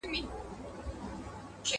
• چرگه مي ناجوړه کې، بانه مي ورته جوړه کې.